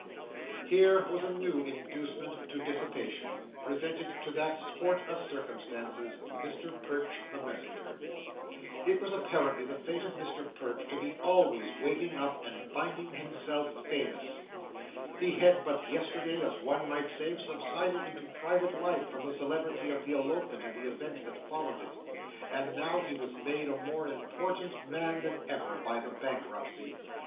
Here was a new inducement to dissipation, presented to that sport of circumstances, Mr Perch the Messenger! It was apparently the fate of Mr Perch to be always waking up, and finding himself famous. He had but yesterday, as one might say, subsided into private life from the celebrity of the elopement and the events that followed it; and now he was made a more important man than ever, by the bankruptcy.